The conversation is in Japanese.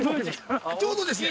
ちょうどですね